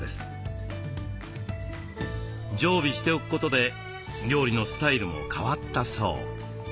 常備しておくことで料理のスタイルも変わったそう。